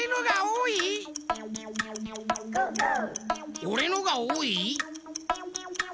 おれのがおおい？